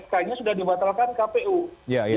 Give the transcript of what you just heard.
karena sknya sudah dibatalkan